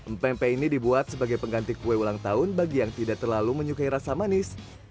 mpe mpe ini dibuat sebagai pengganti kue ulang tahun bagi yang tidak terlalu menyukai rasa manis